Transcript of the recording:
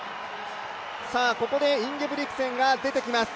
ここでインゲブリクセンが出てきます。